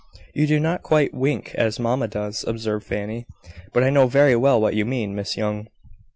"You do not quite wink as mamma does," observed Fanny, "but I know very well what you mean, Miss Young."